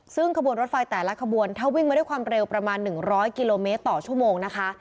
ซึ่งขบวนรถไฟแต่ละขบวนถ้าวิ่งมาด้วยความเร็วประมาณ๑๐๐กิโลเมตรต่อชั่วโมงนะคะ